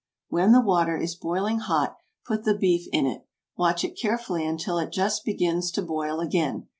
When the water is boiling hot, put the beef in it; watch it carefully until it just begins to boil again.